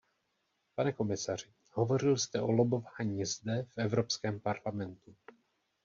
Pane komisaři, hovořil jste o lobování zde v Evropském parlamentu.